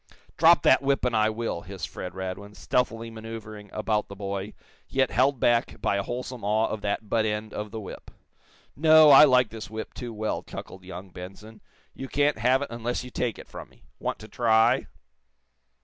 "Drop that whip, and I will!" hissed Fred Radwin, stealthily manoeuvering about the boy, yet held back by a wholesome awe of that butt end of the whip. "No; I like this whip too well," chuckled young Benson. "You can't have it unless you take it from me. Want to try?"